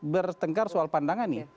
bertengkar soal pandangan nih